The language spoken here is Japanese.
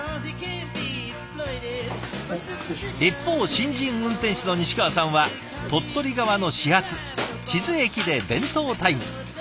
一方新人運転士の西川さんは鳥取側の始発智頭駅で弁当タイム。